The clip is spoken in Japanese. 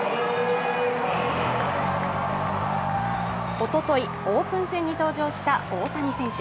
おととい、オープン戦に登場した大谷選手。